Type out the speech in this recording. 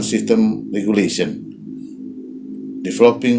dalam regulasi sistem uang